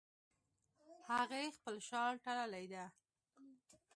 هغې خپل شال تړلی ده